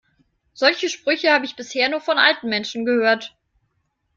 Solche Sprüche habe ich bisher nur von alten Menschen gehört.